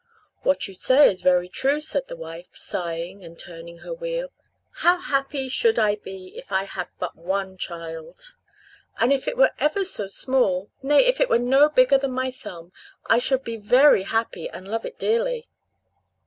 "What you say is very true," said the wife, sighing, and turning her wheel; "how happy should I be if I had but one child! and if it were ever so small, nay, if it were no bigger than my thumb, I should be very happy, and love it dearly."